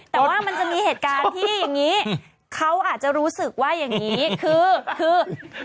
แต่ว่ามันจะมีเหตุการณ์ที่อย่างนี้เขาอาจจะรู้สึกว่าอย่างนี้คือคือ